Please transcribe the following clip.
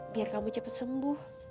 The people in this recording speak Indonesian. biar kamu cepet sembuh